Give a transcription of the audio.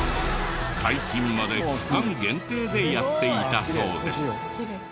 最近まで期間限定でやっていたそうです。